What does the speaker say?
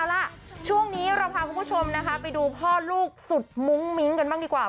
เอาล่ะช่วงนี้เราพาคุณผู้ชมนะคะไปดูพ่อลูกสุดมุ้งมิ้งกันบ้างดีกว่า